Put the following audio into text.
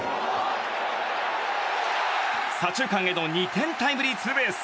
左中間への２点タイムリーツーベース。